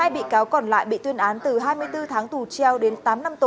một mươi bị cáo còn lại bị tuyên án từ hai mươi bốn tháng tù treo đến tám năm tù